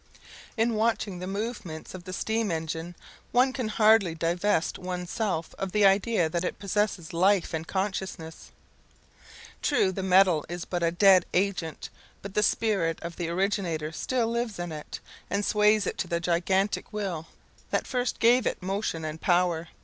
In watching the movements of the steam engine, one can hardly divest one's self of the idea that it possesses life and consciousness. True, the metal is but a dead agent, but the spirit of the originator still lives in it, and sways it to the gigantic will that first gave it motion and power.